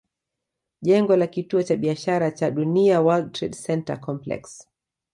Jengo la Kituo cha Biashara cha Dunia World Trade Center complex